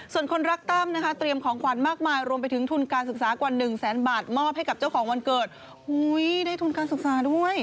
ส่วนคนรักตั้มนะคะเตรียมของขวัญมากมายรวมไปถึงทุนการศึกษากว่าหนึ่งแสนบาทมอบให้กับเจ้าของวันเกิดได้ทุนการศึกษาด้วย